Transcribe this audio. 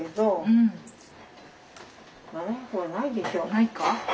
ないか？